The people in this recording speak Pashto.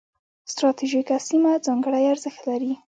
ستراتیژیکه سیمه ځانګړي ارزښت لري.